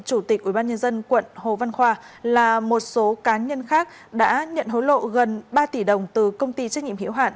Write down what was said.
chủ tịch ubnd quận hồ văn khoa là một số cá nhân khác đã nhận hối lộ gần ba tỷ đồng từ công ty trách nhiệm hiệu hạn